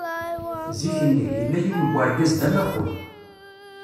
Zik-nni, yella yiwen n urgaz d amakur.